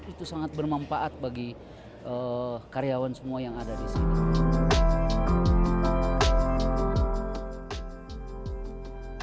itu sangat bermanfaat bagi karyawan semua yang ada di sini